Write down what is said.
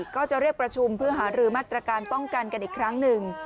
ก็จะเรียกประชุมเพื่อหารือมาตรการป้องกันกันอีกครั้งหนึ่ง